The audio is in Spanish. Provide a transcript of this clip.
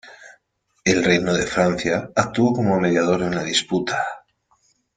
El reino de Francia actuó como mediador en la disputa.